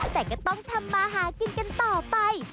แต่ก็ต้องทำมาหากินกันต่อไป